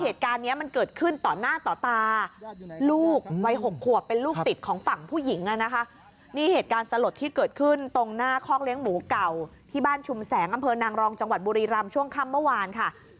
ที่บ้านชุมแสงอำเภอนางรองจังหวัดบุรีรำช่วงค่ำเมื่อวานค่ะ